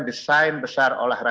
nah jadi yang pertama